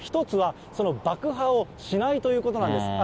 １つは、その爆破をしないということなんです。